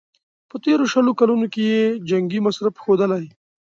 په تېرو شلو کلونو کې یې جنګي مصرف ښودلی.